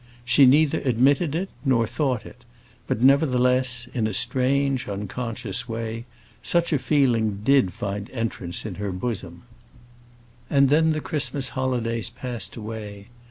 She neither admitted it, nor thought it; but nevertheless, in a strange unconscious way, such a feeling did find entrance in her bosom. And then the Christmas holidays passed away.